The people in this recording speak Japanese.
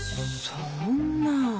そんな。